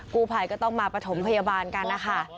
กู้ภัยก็ต้องมาประถมพยาบาลกันนะคะ